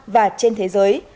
và trên thế giới